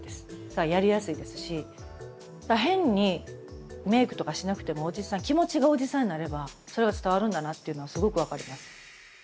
やりやすいですし変にメークとかしなくても気持ちがおじさんになればそれが伝わるんだなっていうのはすごく分かります。